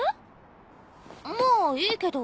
まあいいけど。